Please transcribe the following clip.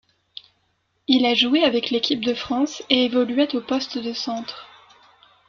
Il a joué avec l'équipe de France et évoluait au poste de centre.